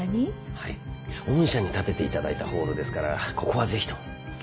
はい御社に建てていただいたホールですからここはぜひとも。